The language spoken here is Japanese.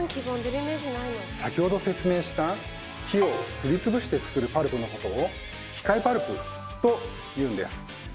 先ほど説明した木をすりつぶして作るパルプのことを「機械パルプ」というんです。